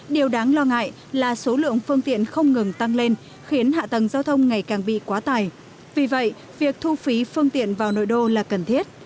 điều đáng lo ngại là số lượng phương tiện không ngừng tăng lên khiến hạ tầng giao thông ngày càng bị quá tài vì vậy việc thu phí phương tiện vào nội đô là cần thiết